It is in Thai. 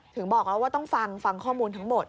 ถึงบอกแล้วว่าต้องฟังฟังข้อมูลทั้งหมด